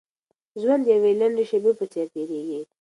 ژوند د يوې لنډې شېبې په څېر تېرېږي.